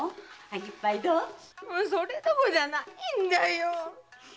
それどころじゃないんだよ。